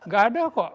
gak ada kok